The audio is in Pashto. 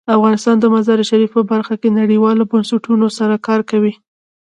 افغانستان د مزارشریف په برخه کې نړیوالو بنسټونو سره کار کوي.